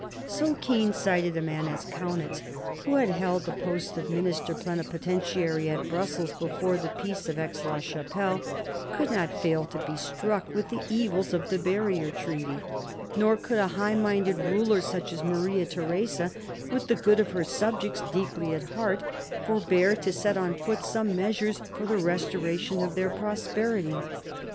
So keen sighted a man as Kaunitz, who had held the post of minister plenipotentiary at Brussels before the Peace of Aix la Chapelle, could not fail to be struck with the evils of the Barrier Treaty ; nor could a high minded ruler such as Maria Theresa, with the good of her subjects deeply at heart, forbear to set on foot some measures for the restoration of their prosperity.